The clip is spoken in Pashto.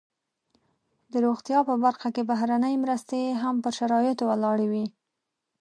د روغتیا په برخه کې بهرنۍ مرستې هم پر شرایطو ولاړې وي.